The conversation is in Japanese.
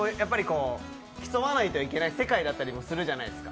競わなきゃいけない世界だったりするじゃないですか。